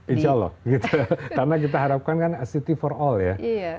insya allah gitu karena kita harapkan kan city for all ya